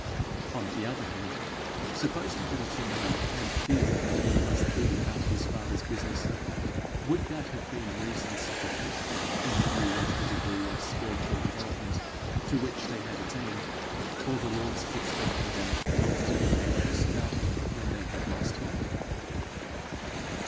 On the other hand, supposing them to know and feel that he must be about his father's business, would that have been reason sufficient, in view of the degree of spiritual development to which they had attained, for the Lord's expecting them not to be anxious about him when they had lost him?